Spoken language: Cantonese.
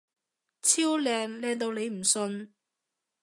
超靚！靚到你唔信！